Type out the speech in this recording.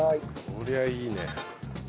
こりゃいいね。